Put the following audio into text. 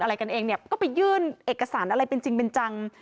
อะไรกันเองเนี่ยก็ไปยื่นเอกสารอะไรเป็นจริงเป็นจัง